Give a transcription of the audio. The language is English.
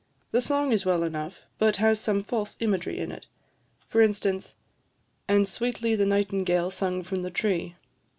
The song is well enough, but has some false imagery in it; for instance "'And sweetly the nightingale sung from the tree.'